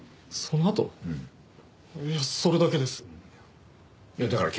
そのあと？